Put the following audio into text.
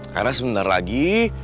karena sebentar lagi